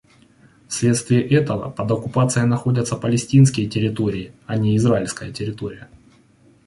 Вследствие этого под оккупацией находятся палестинские территории, а не израильская территория.